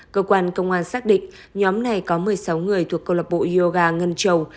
cơ quan công an xác định nhóm này có một mươi sáu người thuộc câu lập bộ yoga ngân châu